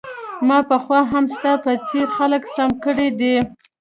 ما پخوا هم ستا په څیر خلک سم کړي دي